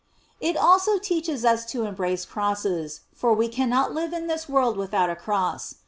It also teaches us to embrace crosses, for ire cannot live in this world without a cross.